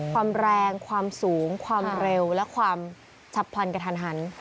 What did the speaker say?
ความแรงความสูงความเร็วและความฉับพลันกระทันหัน